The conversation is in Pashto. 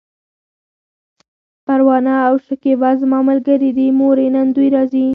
پروانه او شکيبه زما ملګرې دي، مورې! نن دوی راځي!